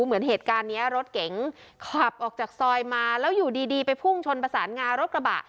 เหมือนเหตุการณ์นี้รถเก๋งขับออกจากซอยมาแล้วอยู่ดีไปพุ่งชนประสานงารถกระบะ